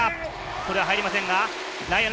これは入りません。